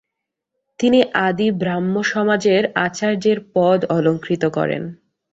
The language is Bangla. তিনি আদি ব্রাহ্মসমাজের আচার্যের পদ অলংকৃত করেন।